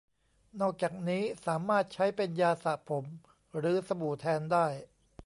นอกจากนี้สามารถใช้เป็นยาสระผมหรือสบู่แทนได้